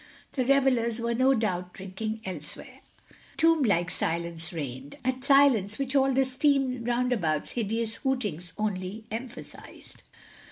The revelers were no doubt drinking elsewhere. A tomblike silence reigned—a silence which all the steam roundabout's hideous hootings only emphasized.